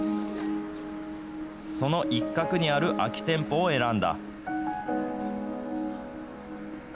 その一角にある空き店舗を選んだ。